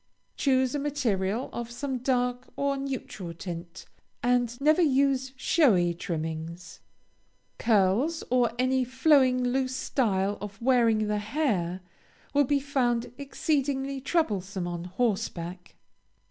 Choose a material of some dark or neutral tint, and never use showy trimmings. Curls, or any flowing loose style of wearing the hair, will be found exceedingly troublesome on horseback.